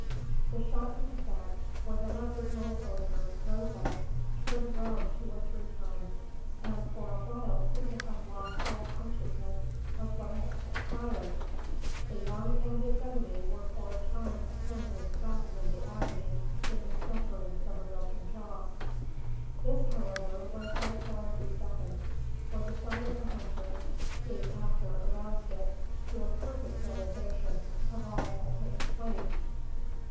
The shot took effect, for the leopard rolled over, rose up, turned around two or three times, and for a while seemed to have lost all consciousness of what had transpired. Its young and its enemy were for a time apparently forgotten in the agony it was suffering from a broken jaw. This, however, was but for a few seconds, for the sight of the hunter soon after aroused it to a perfect realisation of all that had taken place.